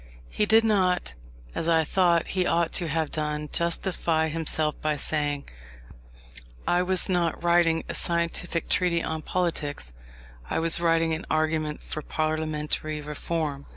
He did not, as I thought he ought to have done, justify himself by saying, "I was not writing a scientific treatise on politics, I was writing an argument for parliamentary reform."